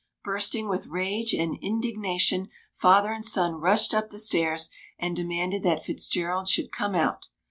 Bursting with rage and indignation, father and son rushed up the stairs and demanded that Fitzgerald should come out.